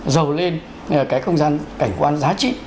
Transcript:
dầu lên cái không gian cảnh quan giá trị